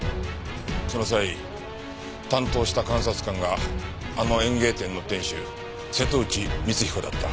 その際担当した監察官があの園芸店の店主瀬戸内光彦だった。